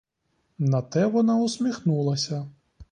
На те вона усміхнулася.